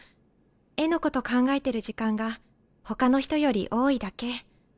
絵のこと考えてる時間がほかの人より多いだけ。